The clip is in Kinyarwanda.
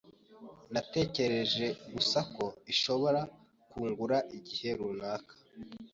Natekereje gusa ko ishobora kungura igihe runaka.